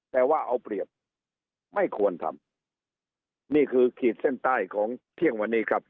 แต่ว่าเอาเปรียบไม่ควรทำนี่คือขีดเส้นใต้ของเที่ยงวันนี้ครับ